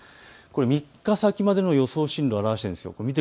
３日先までの予想進路を表しています。